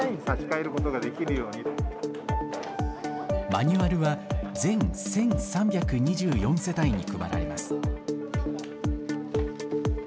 マニュアルは全１３２４世帯に配られます。